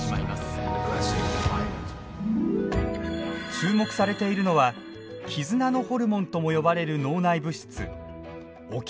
注目されているのは絆のホルモンとも呼ばれる脳内物質オキシトシンです。